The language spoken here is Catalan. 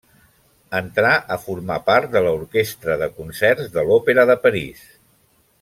Entrà a formar part de l'Orquestra de Concerts de l'Òpera de París.